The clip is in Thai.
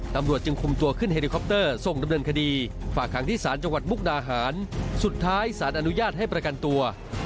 ตำรวจจึงคุมตัวขึ้นเฮลิคอปเตอร์ส่งดำเนินคดีฝากขังที่ศาลจังหวัดมุกดาหารสุดท้ายสารอนุญาตให้ประกันตัว